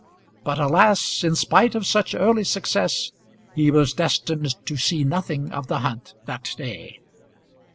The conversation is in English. But, alas! in spite of such early success he was destined to see nothing of the hunt that day!